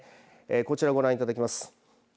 こちらご覧いただきます。